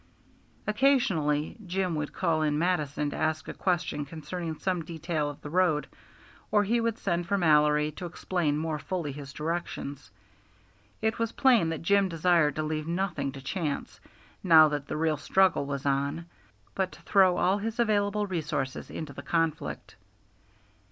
Occasionally Jim would call in Mattison to ask a question concerning some detail of the road, or he would send for Mallory to explain more fully his directions. It was plain that Jim desired to leave nothing to chance, now that the real struggle was on, but to throw all his available resources into the conflict.